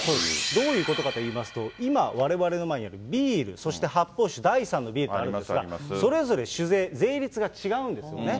どういうことかと言いますと、今、われわれの前にあるビール、そして発泡酒、第３のビールとありますが、それぞれ酒税、税率が違うんですね。